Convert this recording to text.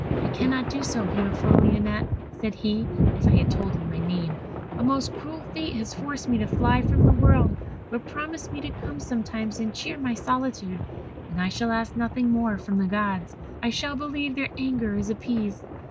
'I cannot do so, beautiful Lionette,' said he (I had told him my name), 'a most cruel fate has forced me to fly from the world; but promise me to come sometimes and cheer my solitude, and I shall ask nothing more from the Gods. I shall believe their anger is appeased.'